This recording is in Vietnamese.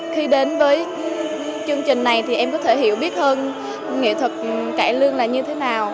khi đến với chương trình này thì em có thể hiểu biết hơn nghệ thuật cải lương là như thế nào